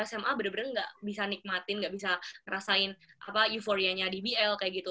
sma bener bener gak bisa nikmatin gak bisa ngerasain euforianya dbl kayak gitu